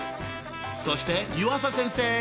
そして湯浅先生。